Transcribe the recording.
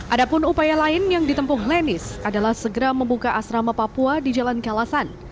ada pun upaya lain yang ditempuh lenis adalah segera membuka asrama papua di jalan kalasan